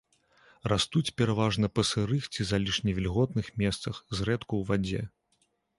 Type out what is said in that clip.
Растуць пераважна па сырых ці залішне вільготных месцах, зрэдку ў вадзе.